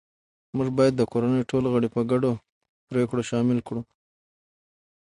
موږ باید د کورنۍ ټول غړي په ګډو پریکړو شامل کړو